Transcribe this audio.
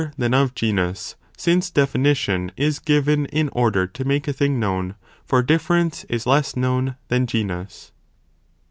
than of genus, since definition is given in order to make a thing known, for difference is less known than genus.